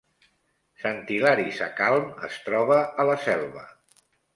Sant Hilari Sacalm es troba a la Selva